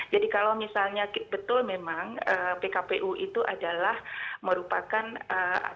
jadi kalau misalnya betul memang pkpu itu adalah merupakan aturan